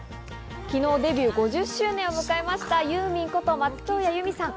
昨日デビュー５０周年を迎えました、ユーミンこと松任谷由実さん。